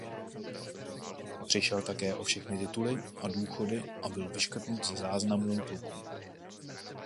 Přišel také o všechny tituly a důchody a byl vyškrtnut ze záznamů pluku.